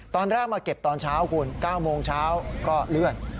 ตอนแรกมาเก็บตอนเช้าคุณ๙โมงเช้าก็เลื่อน